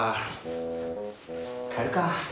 帰るか。